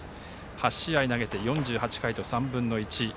８試合投げて４８回と３分の１。